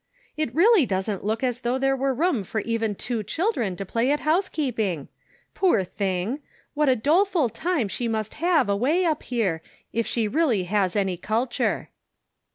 " It really doesn't look as though there were room for even two children to play at housekeeping. Poor thing! What a doleful time she must have away up here, if she really has any culture."